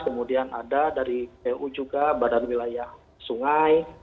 kemudian ada dari pu juga badan wilayah sungai